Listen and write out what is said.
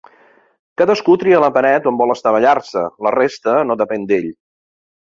Cadascú tria la paret on vol estavellar-se, la resta no depèn d'ell.